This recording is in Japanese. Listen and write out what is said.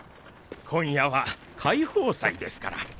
今夜は解放祭ですから。